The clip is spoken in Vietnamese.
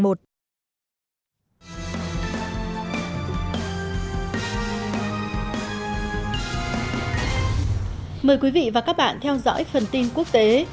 mời quý vị và các bạn theo dõi phần tin quốc tế